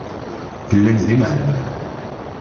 Llan d imεellmen.